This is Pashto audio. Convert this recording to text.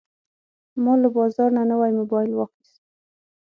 ما له بازار نه نوی موبایل واخیست.